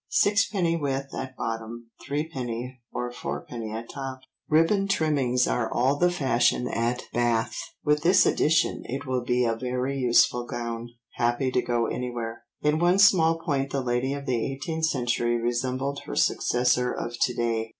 Sixpenny width at bottom, threepenny or fourpenny at top. Ribbon trimmings are all the fashion at Bath. With this addition it will be a very useful gown, happy to go anywhere." In one small point the lady of the eighteenth century resembled her successor of to day.